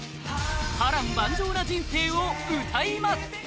波乱万丈な人生を歌います！